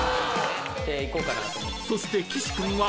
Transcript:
［そして岸君は］